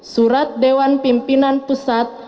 satu surat dewan pimpinan putri